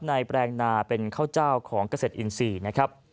แปลงนาเป็นข้าวเจ้าของเกษตรอินทรีย์นะครับ